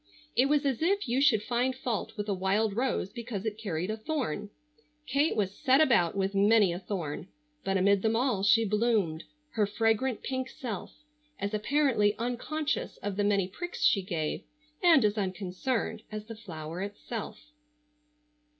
It was as if you should find fault with a wild rose because it carried a thorn. Kate was set about with many a thorn, but amid them all she bloomed, her fragrant pink self, as apparently unconscious of the many pricks she gave, and as unconcerned, as the flower itself.